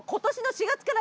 ４月から！